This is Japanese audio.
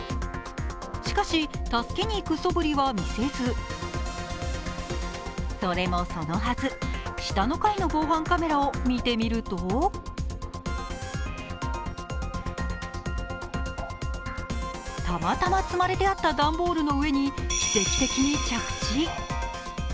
しかし、助けに行くそぶりは見せずそれもそのはず、下の階の防犯カメラを見てみるとたまたま積まれてあった段ボールの上に奇跡的に着地。